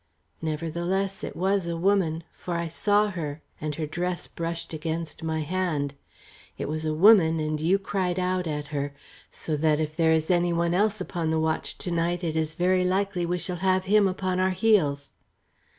"Nevertheless, it was a woman; for I saw her, and her dress brushed against my hand. It was a woman, and you cried out at her; so that if there is any one else upon the watch to night, it is very likely we shall have him upon our heels."